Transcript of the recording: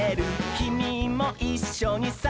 「きみもいっしょにさあおどれ」